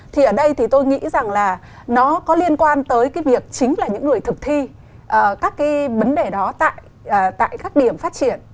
thì ở đây thì tôi nghĩ rằng là nó có liên quan tới cái việc chính là những người thực thi các cái vấn đề đó tại các điểm phát triển